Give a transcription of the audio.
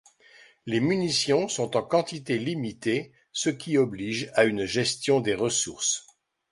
Les munitions sont en quantité limitée, ce qui oblige à une gestion des ressources.